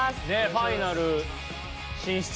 ファイナル進出。